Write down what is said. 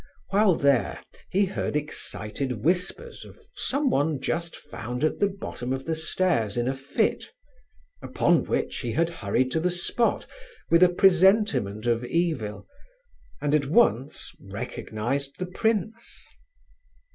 While there he heard excited whispers of someone just found at the bottom of the stairs in a fit; upon which he had hurried to the spot, with a presentiment of evil, and at once recognized the prince.